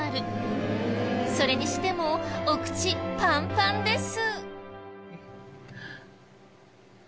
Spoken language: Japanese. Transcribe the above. それにしてもお口パンパンです！